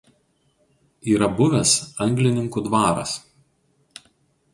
Yra buvęs Anglininkų dvaras.